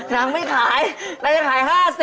นางไม่ขายเราจะขาย๕๐